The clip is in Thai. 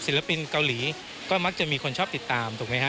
ปินเกาหลีก็มักจะมีคนชอบติดตามถูกไหมฮะ